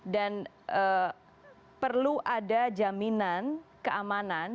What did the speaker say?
dan perlu ada jaminan keamanan